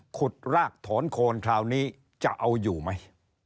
รากถอนโคนคราวนี้จะเอาอยู่ไหม